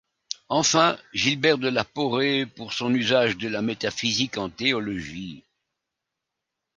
Enfin Gilbert de la Porée pour son usage de la métaphysique en théologie...